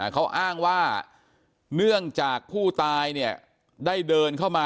เขาอ้างว่าเนื่องจากผู้ตายได้เดินเข้ามา